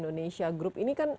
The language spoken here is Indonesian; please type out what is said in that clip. jadi kita harus melakukan